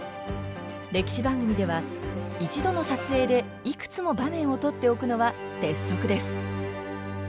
歴史番組では一度の撮影でいくつも場面を撮っておくのは鉄則です。